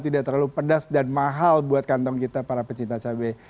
tidak terlalu pedas dan mahal buat kantong kita para pecinta cabai